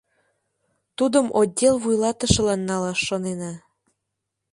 Тудым отдел вуйлатышылан налаш шонена.